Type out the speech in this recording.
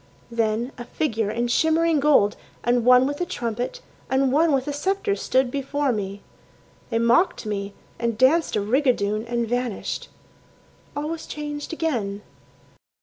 Then a figure in shimmering gold, and one with a trumpet, And one with a sceptre stood before me. They mocked me and danced a rigadoon and vanished. ... All was changed again.